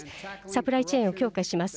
サプライチェーンを強化します。